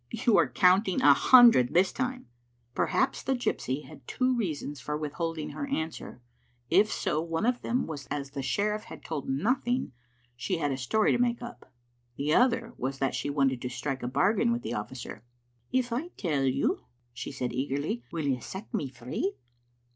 You are counting a hundred this time." Perhaps the gypsy had two reasons for withholding ner answer. If so, one of them was that as the sherifiE had told nothing, she had a story to make up. The other was that she wanted to strike a bargain with the officer. "If I tell you," she said eagerly, "will you set me free?"